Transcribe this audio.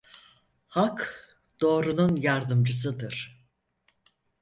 Hak doğrunun yardımcısıdır.